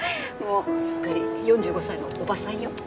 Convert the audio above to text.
もうすっかり４５歳のおばさんよ。